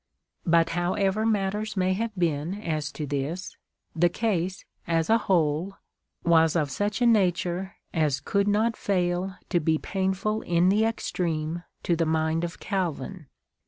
But however matters may have been as to this, the case, as a whole, was of such a nature as could not fail to be painful in the extreme to the mind of Calvin.